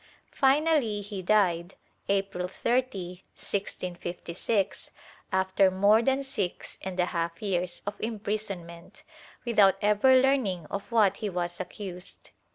Finally he died, April 30, 1656, after more than six and a half years of imprisonment, without ever learning of what he was accused.